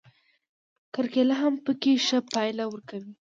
کرکېله هم پکې ښه پایله ورکوي.